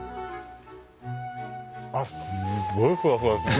あっすっごいふわふわですね。